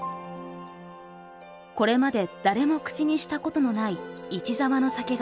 これまで誰も口にしたことのない市澤の酒が生まれた。